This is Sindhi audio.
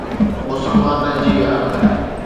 مسلمان رهجي ويا.